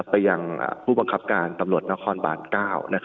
ไปยังผู้บังคับการตำรวจนครบาน๙